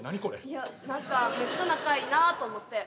いや何かめっちゃ仲いいなと思って。